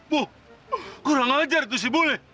bu kurang ngajar tuh si bule